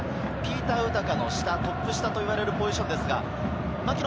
長谷川はピーター・ウタカの下、トップ下といわれるポジションです。